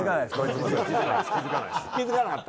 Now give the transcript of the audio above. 気付かなかった？